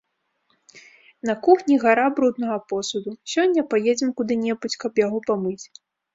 На кухні гара бруднага посуду, сёння паедзем куды-небудзь, каб яго памыць.